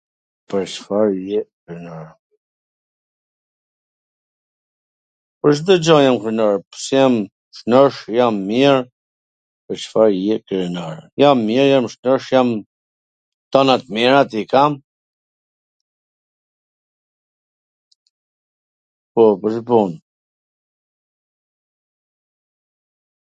Pwr Cfar je krenar? Pwr Cdo gja jam krenar, qw jam shnosh jam mir... Pwr Cfar je krenar? Jam mir, jam shnosh, jam... tana t mirat i kam,.. po... pwr...